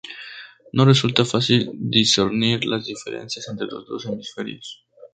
No resulta fácil discernir las diferencias entre los dos hemisferios.